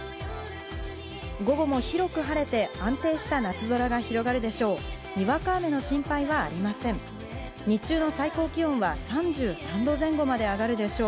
午後も広く晴れて、安定した夏空が広がるでしょう。